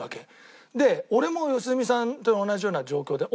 俺も良純さんと同じような状況で。